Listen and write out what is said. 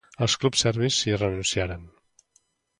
Els clubs serbis hi renunciaren.